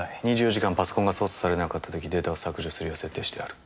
２４時間パソコンが操作されなかった時データを削除するよう設定してある。